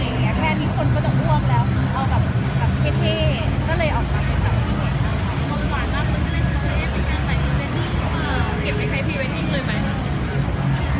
ไออักษรและสงสาร